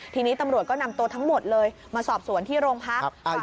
ทีนี้ตำรวจก็นำตัวทั้งหมดเลยมาสอบสวนที่โรงพัก